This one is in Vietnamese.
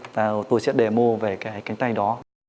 và tôi sẽ demo về cái cánh tay đó